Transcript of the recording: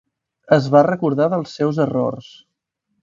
Es va recordar dels seus errors.